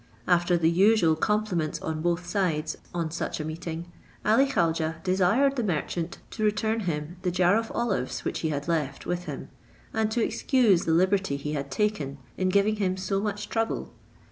After the usual compliments on both sides on such a meeting, Ali Khaujeh desired the merchant to return him the jar of olives which he had left. with him, and to excuse the liberty he had taken in giving him so much trouble.